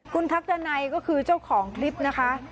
คุณทักดันัยก็คือเจ้าของคลิปนะคะ